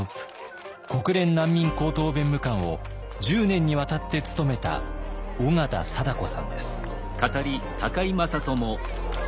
国連難民高等弁務官を１０年にわたって務めた緒方貞子さんです。